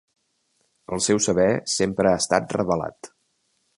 El seu saber sempre ha estat revelat.